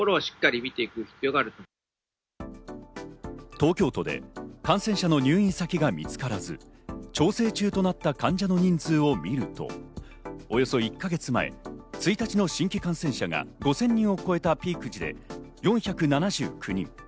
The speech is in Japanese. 東京都で感染者の入院先が見つからず、調整中となった患者の人数を見ると、およそ１か月前、１日の新規感染者が５０００人を超えたピーク時で４７９人。